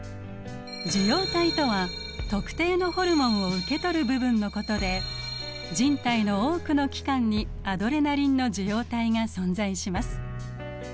受容体とは特定のホルモンを受け取る部分のことで人体の多くの器官にアドレナリンの受容体が存在します。